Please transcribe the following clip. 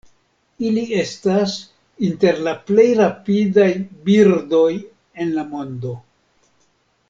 Ili estas inter la plej rapidaj birdoj en la mondo.